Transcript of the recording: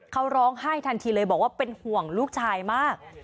เขาร้องไห้ทันทีเลยบอกว่าเป็นห่วงลูกชายมาก